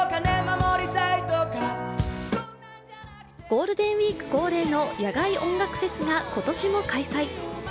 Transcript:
ゴールデンウイーク恒例の野外音楽フェスが今年も開催。